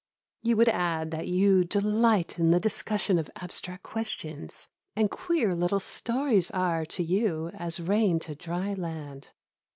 You would add that you delight in the discussion of abstract questions, and queer little stories are, to you, as rain to dry land.